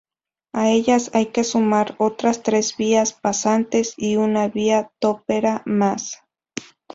A ellas hay que sumar otras tres vías pasantes y una vía topera más.